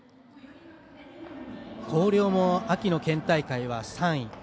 広陵も秋の県大会は３位。